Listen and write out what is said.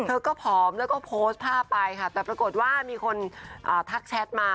เธอก็ผอมแล้วก็โพสต์ภาพไปค่ะแต่ปรากฏว่ามีคนทักแชทมา